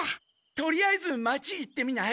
とりあえず町行ってみない？